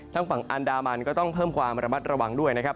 ฝั่งอันดามันก็ต้องเพิ่มความระมัดระวังด้วยนะครับ